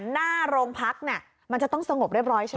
หน้าโรงพักเนี่ยมันจะต้องสงบเรียบร้อยใช่ไหม